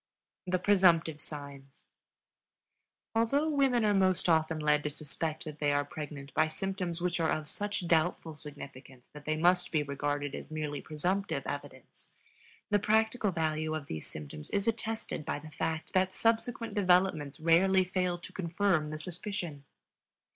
THE PRESUMPTIVE SIGNS. Although women are most often led to suspect that they are pregnant by symptoms which are of such doubtful significance that they must be regarded as merely presumptive evidence, the practical value of these symptoms is attested by the fact that subsequent developments rarely fail to confirm the suspicion.